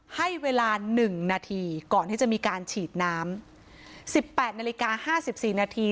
ให้เวลาหนึ่งนาทีก่อนที่จะมีการฉีดน้ำสิบแปดนาฬิกาห้าสิบสี่นาที